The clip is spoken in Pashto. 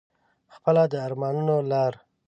خپله د ارمانونو لار